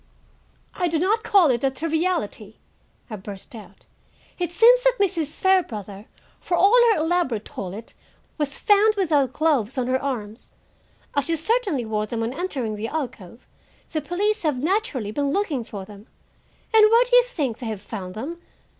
"I do not call it a triviality," I burst out. "It seems that Mrs. Fairbrother, for all her elaborate toilet, was found without gloves on her arms. As she certainly wore them on entering the alcove, the police have naturally been looking for them. And where do you think they have found them?